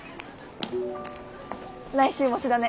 来週も模試だね。